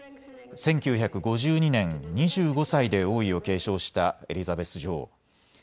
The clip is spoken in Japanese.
１９５２年、２５歳で王位を継承したエリザベス女王。